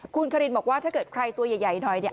คุณคารินบอกว่าถ้าเกิดใครตัวใหญ่หน่อยเนี่ย